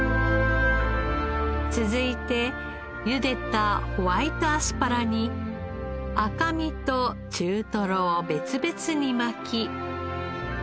続いてゆでたホワイトアスパラに赤身と中トロを別々に巻き。